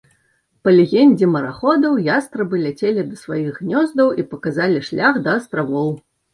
Па легендзе мараходаў, ястрабы ляцелі да сваіх гнёздаў і паказалі шлях да астравоў.